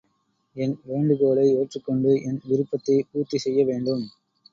என் வேண்டுகோளை ஏற்றுக்கொண்டு, என் விருப்பத்தைப் பூர்த்தி செய்ய வேண்டும்.